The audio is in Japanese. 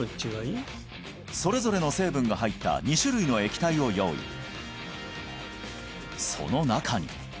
それぞれの成分が入った２種類の液体を用意